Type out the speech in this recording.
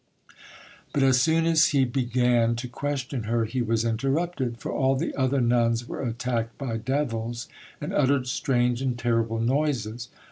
But as soon as he began to question her he was interrupted, for all the other nuns were attacked by devils, and uttered strange and terrible noises.